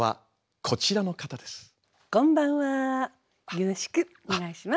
よろしくお願いします。